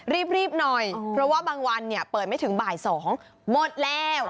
รีบหน่อยเพราะว่าบางวันเนี่ยเปิดไม่ถึงบ่าย๒หมดแล้ว